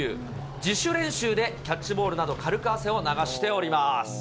自主練習でキャッチボールなど、軽く汗を流しております。